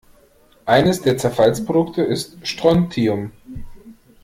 Eines der Zerfallsprodukte ist Strontium.